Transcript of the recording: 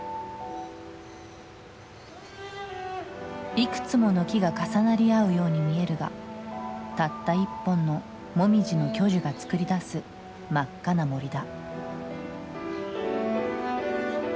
いくつもの木が重なり合うように見えるがたった一本のモミジの巨樹が作り出す真っ赤な森だ。